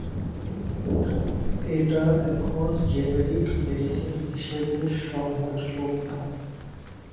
এটা এখন generic medicine হিসেবে সহজলভ্য।